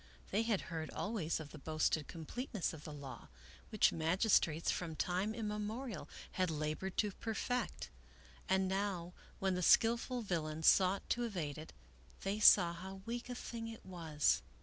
They had heard always of the boasted completeness of the law which magistrates from time im memorial had labored to perfect, and now when the skillful villain sought to evade it, they saw how weak a thing it was.